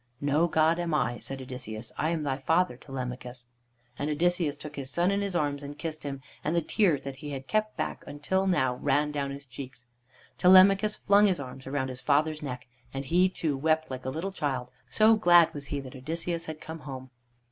"No god am I," said Odysseus; "I am thy father, Telemachus." And Odysseus took his son in his arms and kissed him, and the tears that he had kept back until now ran down his cheeks. Telemachus flung his arms round his father's neck, and he, too, wept like a little child, so glad was he that Odysseus had come home.